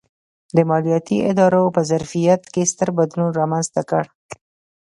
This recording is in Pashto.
د مالیاتي ادارو په ظرفیت کې ستر بدلون رامنځته کړ.